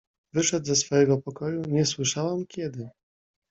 "Wyszedł ze swojego pokoju, nie słyszałam kiedy."